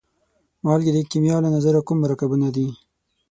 مالګې د کیمیا له نظره کوم مرکبونه دي؟